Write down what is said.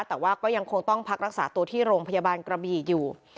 แต่ว่าก็ยังคงต้องพักรักษาตัวที่โรงพยาบาลกระบี่อยู่